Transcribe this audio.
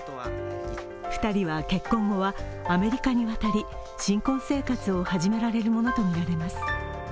２人は結婚後はアメリカに渡り、新婚生活を始められるものとみられます。